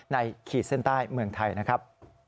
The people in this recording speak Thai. ขีดเส้นใต้เมืองไทยนะครับ